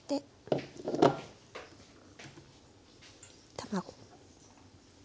卵。